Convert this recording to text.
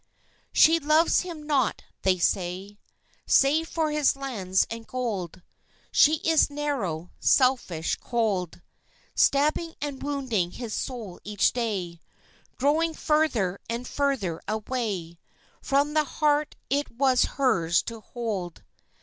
She loves him not, they say, Save for his lands and gold; She is narrow, selfish, cold, Stabbing and wounding his soul each day, Growing further and further away From the heart it was hers to hold.